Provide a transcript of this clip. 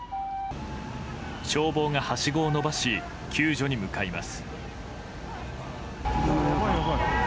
消防がはしごを伸ばし救助に向かいます。